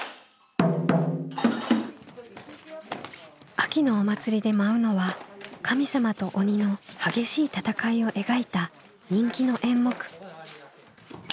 秋のお祭りで舞うのは神様と鬼の激しい戦いを描いた人気の演目。